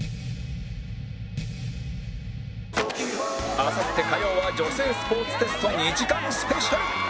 あさって火曜は女性スポーツテスト２時間スペシャル